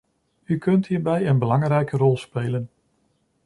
U kunt hierbij een belangrijke rol spelen.